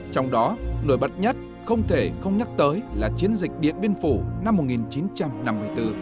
trong đó nổi bật nhất không thể không nhắc tới là chiến dịch điện biên phủ năm một nghìn chín trăm năm mươi bốn